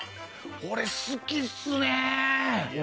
これ好きっすね。